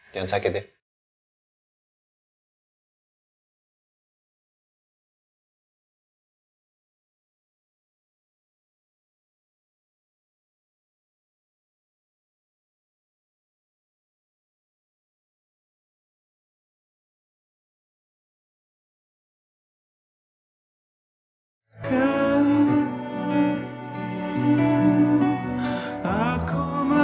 jangan sakit ya